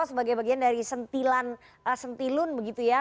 sebagai bagian dari sentilan sentilun begitu ya